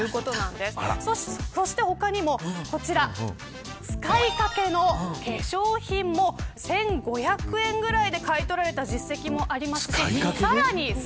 そして他にも、こちら使いかけの化粧品も１５００円ぐらいで買い取られたケース実績もありましてさらに